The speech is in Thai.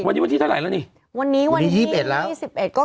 วันนี้วันที่เท่าไหรแล้วนี่วันนี้วันที่ยี่สิบเอ็ดแล้วยี่สิบเอ็ดก็